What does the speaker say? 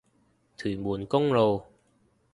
屯門公路